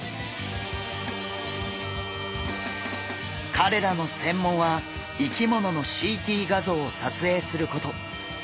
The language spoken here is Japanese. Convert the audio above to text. かれらの専門は生き物のＣＴ画像をさつえいすること。